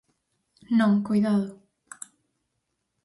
Non, coidado.